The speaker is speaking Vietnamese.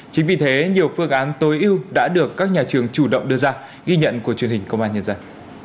chính vì thế nhiều phương án tối ưu đã được các nhà trường chủ động đưa ra ghi nhận của truyền hình công an nhân dân